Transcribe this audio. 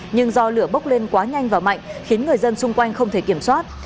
nhưng do lửa bốc lên quá nhanh và mạnh khiến người dân xung quanh không thể kiểm soát